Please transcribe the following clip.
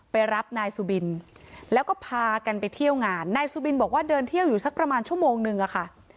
ไปรับนายสุบินแล้วก็พากันไปเที่ยวงานนายสุบินบอกว่าเดินเที่ยวอยู่สักประมาณชั่วโมงนึงอะค่ะ